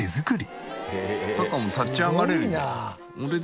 中も立ち上がれるんで。